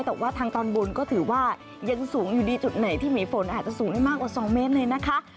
แต่ว่าทางตอนบนก็ถือว่ายังสูงอยู่ดีจุดไหนที่มีฝนอาจจะสูงได้มากกว่า๒เมตรเลยนะคะ